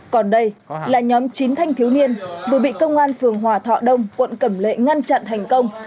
còn đây là nhóm chín thanh thiếu niên vừa bị công an phường hòa thọ đông quận cẩm lệ ngăn chặn thành công